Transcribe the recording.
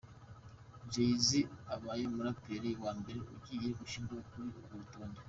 Jay Z abaye umuraperi wa mbere ugiye gushyirwa kuri urwo rutonde.